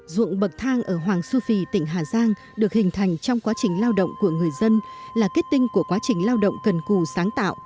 ruộng bậc thang ở hoàng su phi tỉnh hà giang được hình thành trong quá trình lao động của người dân là kết tinh của quá trình lao động cần cù sáng tạo